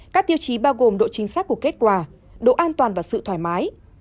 các tiêu chí bao gồm độ chính xác của kết quả độ an toàn và sự thoải mái